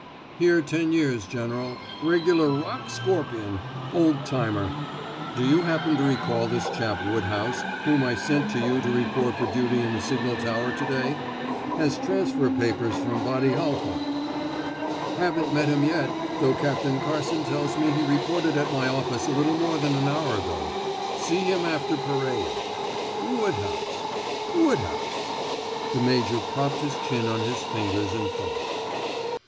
"Here ten years, General. Regular rock scorpion old timer." "Do you happen to recall this chap Woodhouse whom I sent to you to report for duty in the signal tower to day? Has transfer papers from Wady Halfa." "Haven't met him yet, though Captain Carson tells me he reported at my office a little more than an hour ago see him after parade. Woodhouse Woodhouse " The major propped his chin on his fingers in thought.